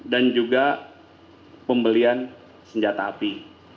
dan juga pembelian senjata api